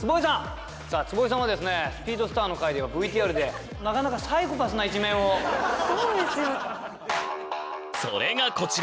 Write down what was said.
坪井さんはですね「スピードスター」の回ではＶＴＲでそれがこちら。